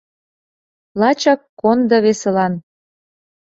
Лачак кондо весылан.